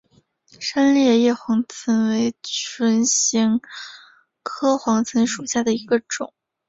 深裂叶黄芩为唇形科黄芩属下的一个种。